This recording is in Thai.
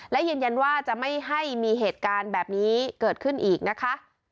และยืนยันว่าจะไม่ให้มีเหตุการณ์แบบนี้เกิดขึ้นอีกนะคะ